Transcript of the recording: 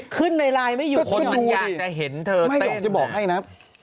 ขึ้นในไลน์ไม่อยู่คนอย่างจะเห็นเธอเต้นก็ดูดิไม่อยากจะบอกให้นะฮะ